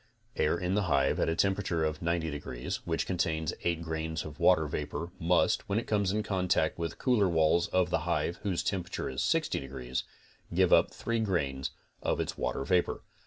Air in the hive at a temperature of 90 degrees which contains 8 grains of water vapor must, when it comes in contact with the cool walls of the hive whose temperature is 60 degrees, give up 3 grains of its water vapor.